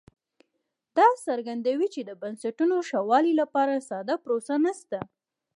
دا څرګندوي چې د بنسټونو ښه والي لپاره ساده پروسه نشته